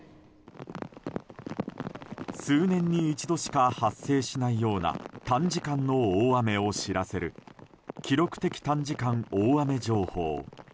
数年に一度しか発生しないような短時間の大雨を知らせる記録的短時間大雨情報。